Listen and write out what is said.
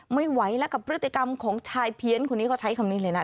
ไม่ไหวแล้วกับพฤติกรรมของชายเพี้ยนคนนี้เขาใช้คำนี้เลยนะ